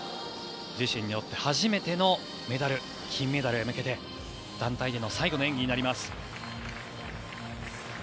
自身にとっての初めてのメダル金メダルに向けて団体での最後の演技になります。